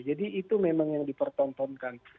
jadi itu memang yang dipertontonkan